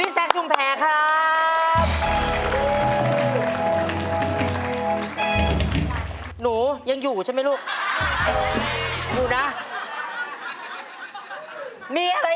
เป็นเรื่องราวของแม่นาคกับพี่ม่าครับ